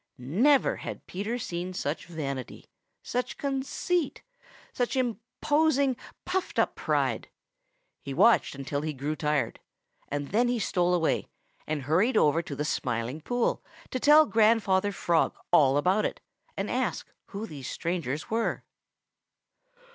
Never had Peter seen such vanity, such conceit, such imposing, puffed up pride. He watched until he grew tired, and then he stole away and hurried over to the Smiling Pool to tell Grandfather Frog all about it and ask who these strangers were.